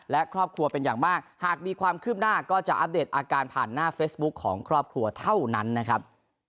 และครอบครัวเป็นอย่างมากหากมีความคืบหน้าก็จะอัปเดตอาการผ่านหน้าเฟซบุ๊คของครอบครัวเท่านั้นนะครับ